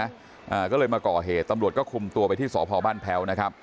อ่าก็เลยมาก่อเหตุตำรวจก็คุมตัวไปที่สพบ้านแพ้วนะครับ